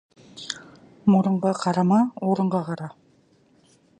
Мұрынға қарама, орынға қара.